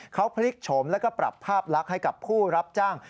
เขาพลิกโฉมแล้วก็ปรับภาพลักษณ์ให้กับผู้รับจ้าง